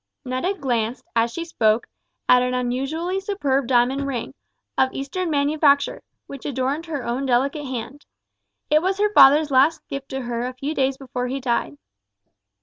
Netta glanced, as she spoke, at an unusually superb diamond ring, of Eastern manufacture, which adorned her own delicate hand. It was her father's last gift to her a few days before he died.